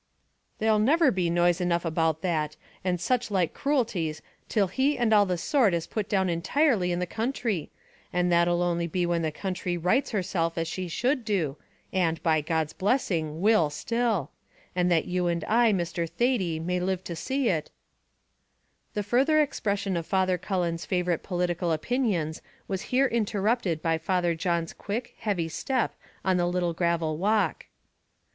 "There'll never be noise enough about that, and such like cruelties till he and all of the sort is put down intirely in the counthry; and that'll only be when the counthry rights herself as she should do, and, by God's blessing, will still; and that you and I, Mr. Thady, may live to see it " The further expression of Father Cullen's favourite political opinions was here interrupted by Father John's quick, heavy step on the little gravel walk.